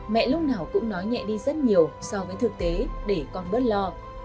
mẹ lúc nào cũng nói nhẹ đi rất nhiều so với thực tế để con bớt lo